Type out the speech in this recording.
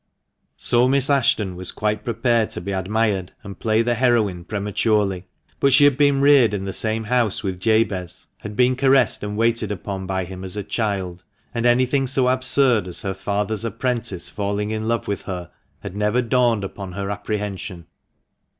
So Miss Ashton was quite prepared to be admired and play the heroine prematurely ; but she had been reared in the same house with Jabez, had been caressed and waited upon by him as a child, and anything so absurd as her father's apprentice falling in love with her had never dawned upon her apprehension.